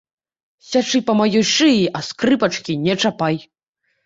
Сячы па маёй шыі, а скрыпачкі не чапай!